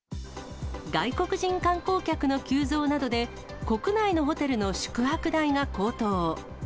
外国人観光客の急増などで、国内のホテルの宿泊代が高騰。